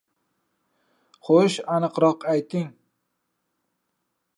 — Xo‘sh, aniqroq ayting!